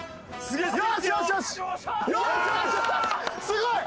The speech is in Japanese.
すごい！